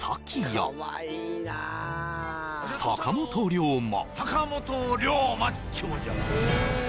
坂本龍馬